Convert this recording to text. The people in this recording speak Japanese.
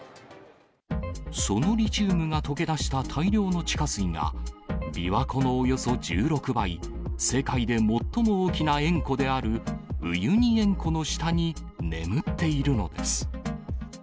そのリチウムが溶け出した大量の地下水が、琵琶湖のおよそ１６倍、世界で最も大きな塩湖であるウユニ塩湖の下に眠っているのです。